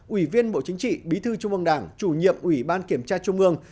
ủy viên bộ chính trị bí thư trung ương đảng chủ nhiệm ủy ban kiểm tra trung ương